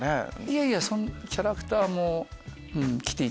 いやいやキャラクターも。